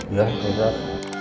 ya pak ustad